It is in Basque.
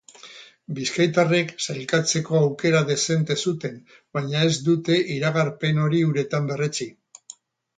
Bizkaitarrek sailkatzeko aukera dezente zuten, baina ez dute iragarpen hori uretan berretsi.